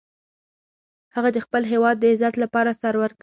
هغه د خپل هیواد د عزت لپاره سر ورکړ.